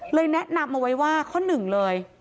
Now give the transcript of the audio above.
แนะนำเอาไว้ว่าข้อหนึ่งเลย